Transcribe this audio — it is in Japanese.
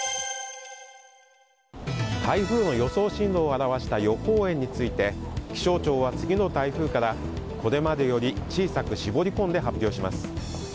台風の予想進路を表した予報円について気象庁は、次の台風からこれまでより小さく絞り込んで発表します。